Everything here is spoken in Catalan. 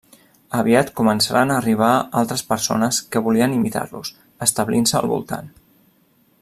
Aviat començaren a arribar altres persones que volien imitar-los, establint-se al voltant.